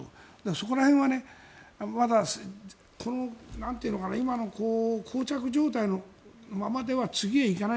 そこら辺はまだ、この今のこう着状態のままでは次へ行かない。